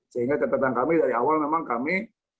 sehingga catatan kami dari awal memang kami